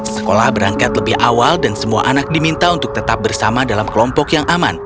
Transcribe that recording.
sekolah berangkat lebih awal dan semua anak diminta untuk tetap bersama dalam kelompok yang aman